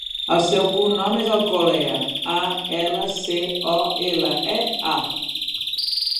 El seu cognom és Alcolea: a, ela, ce, o, ela, e, a.